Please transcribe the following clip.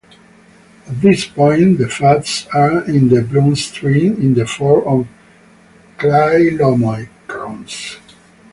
At this point, the fats are in the bloodstream in the form of chylomicrons.